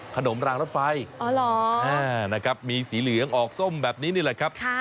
ขนมรางรถไฟอ๋อเหรออ่านะครับมีสีเหลืองออกส้มแบบนี้นี่แหละครับค่ะ